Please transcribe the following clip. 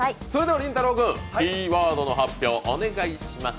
りんたろー君、キーワードの発表をお願いします。